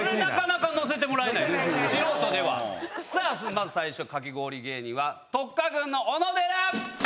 まず最初のかき氷芸人はトッカグンの小野寺！